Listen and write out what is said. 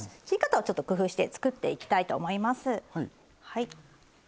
切り方をちょっと工夫して作っていきたいと思います。